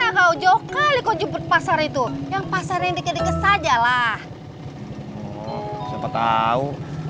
aku jauh kali kau jumpa pasar itu yang pasarnya diketik saja lah siapa tahu